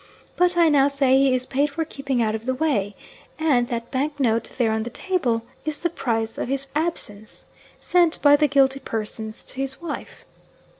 But I now say he is paid for keeping out of the way and that bank note there on the table is the price of his absence, sent by the guilty persons to his wife.'